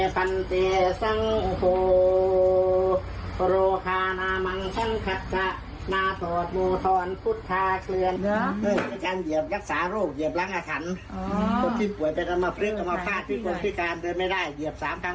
ก็ผ่านด้วย๗ปีหายไปแล้ว๑๙คน